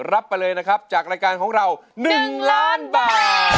รับไปเลยนะครับจากรายการของเรา๑ล้านบาท